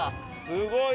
すごい！